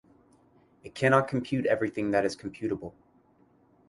It cannot compute everything that is computable.